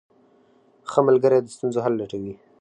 ښه ملګری د ستونزو حل لټوي.